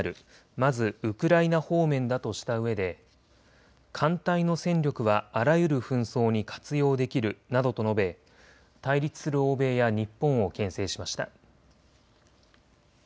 まずウクライナ方面だとしたうえで艦隊の戦力はあらゆる紛争に活用できるなどと述べ、対立する欧米や日本をけん制しました。